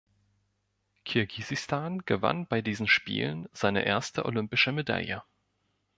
Kirgisistan gewann bei diesen Spielen seine erste olympische Medaille.